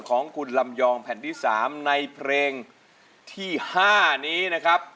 ของคุณลำยองแผ่นที่๓ในเพลงที่๕นี้นะครับ